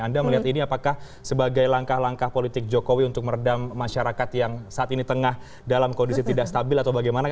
anda melihat ini apakah sebagai langkah langkah politik jokowi untuk meredam masyarakat yang saat ini tengah dalam kondisi tidak stabil atau bagaimana